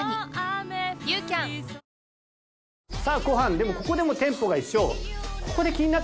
でもここでもテンポが一緒。